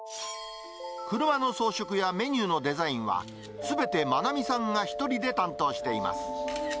車の装飾やメニューのデザインはすべて愛美さんが１人で担当しています。